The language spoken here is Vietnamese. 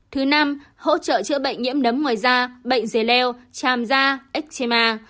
thứ năm hỗ trợ chữa bệnh nhiễm nấm ngoài da bệnh dế leo chàm da ếch chê ma